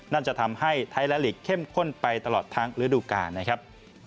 นั่นจะทำให้ไทยแลนดลีกเข้มข้นไปตลอดทั้งฤดูกาลนะครับ